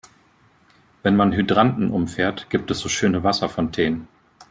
Wenn man Hydranten umfährt, gibt es so schöne Wasserfontänen.